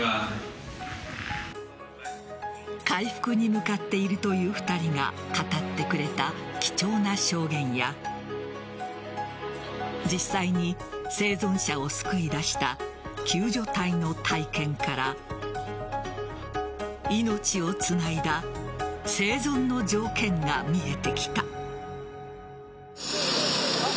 回復に向かっているという２人が語ってくれた貴重な証言や実際に生存者を救い出した救助隊の体験から命をつないだ生存の条件が見えてきた。